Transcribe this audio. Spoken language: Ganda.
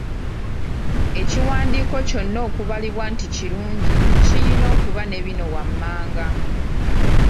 Ekiwandiiko kyonna okubalibwa nti kirungi kirina okuba ne bino wammanga;